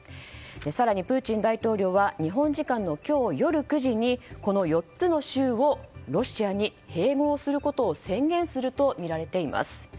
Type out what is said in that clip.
更にプーチン大統領は日本時間の今日夜９時にこの４つの州をロシアに併合することを宣言するとみられています。